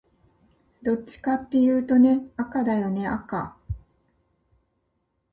どっちかっていうとね、赤だよね赤